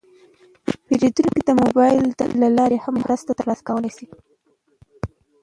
پیرودونکي د موبایل له لارې هم مرسته ترلاسه کولی شي.